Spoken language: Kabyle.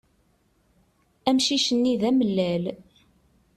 Amcic-nni d amellal.